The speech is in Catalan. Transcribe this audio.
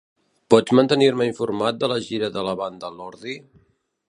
Pots mantenir-me informat de la gira de la banda Lordi?